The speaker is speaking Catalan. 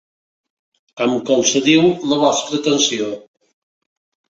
Em concediu la vostra atenció?